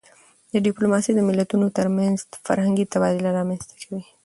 ډيپلوماسي د ملتونو ترمنځ فرهنګي تبادله رامنځته کوي.